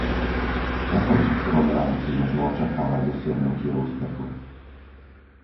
V akom časovom rámci možno očakávať dosiahnutie úspechu?